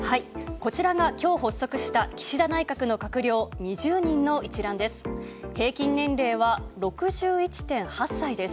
こちらがきょう発足した岸田内閣の閣僚２０人の一覧です。